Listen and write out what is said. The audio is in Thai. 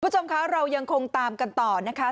คุณผู้ชมคะเรายังคงตามกันต่อนะคะ